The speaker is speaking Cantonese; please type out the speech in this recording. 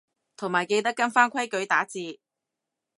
同埋記得跟返規矩打字